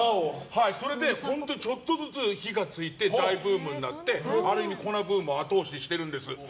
それで本当にちょっとずつ火が付いて大ブームになってある意味、粉ブームを後押ししているんです。